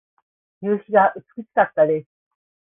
夕日が美しかったです。